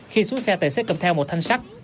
khi xuống xe tài xế cầm theo một thanh sắt